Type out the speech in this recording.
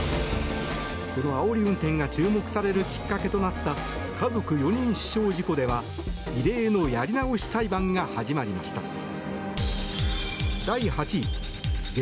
そのあおり運転が注目されるきっかけとなった家族４人死傷事故では異例のやり直し裁判が始まりました。